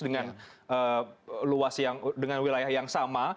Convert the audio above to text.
dengan luas dengan wilayah yang sama